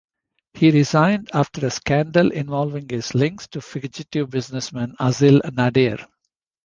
He resigned after a scandal involving his links to fugitive businessman Asil Nadir.